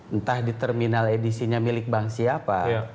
entah di terminal edisinya milik bank siapa